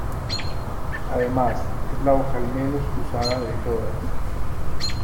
Además, es la vocal menos usada de todas.